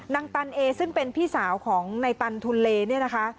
ตันเอซึ่งเป็นพี่สาวของในตันทุนเลเนี่ยนะคะ